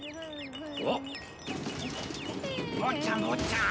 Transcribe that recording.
坊ちゃん坊ちゃん。